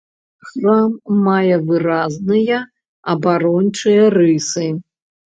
Храм мае выразныя абарончыя рысы.